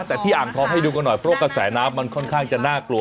แต่ที่อ่างทองให้ดูกันหน่อยเพราะว่ากระแสน้ำมันค่อนข้างจะน่ากลัว